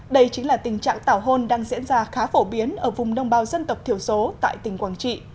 đây chính là tình trạng tảo hôn đang diễn ra khá phổ biến ở vùng nông bào dân tộc thiểu số tại tỉnh quảng trị